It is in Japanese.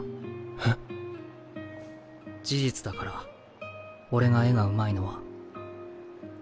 えっ？事実だから俺が絵がうまいのは。